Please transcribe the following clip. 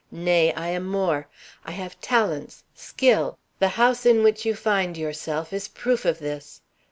Nay, I am more. I have talents, skill. The house in which you find yourself is proof of this.